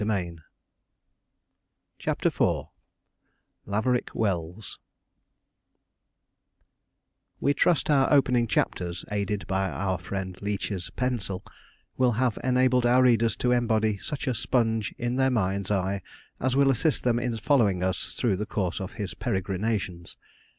CHAPTER IV LAVERICK WELLS We trust our opening chapters, aided by our friend Leech's pencil, will have enabled our readers to embody such a Sponge in their mind's eye as will assist them in following us through the course of his peregrinations.